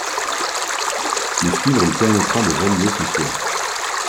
Le suivre lui permettra de réaliser son souhait.